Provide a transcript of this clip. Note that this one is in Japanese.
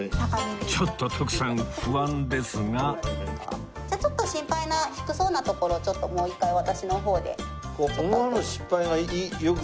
ちょっと徳さん不安ですがじゃあちょっと心配な低そうなところをちょっともう一回私の方で。